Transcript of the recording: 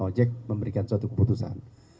ojek memberikan suatu keputusan